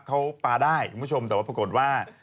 เขาปลาได้คุณผู้ชมแต่ว่าปรากฏว่า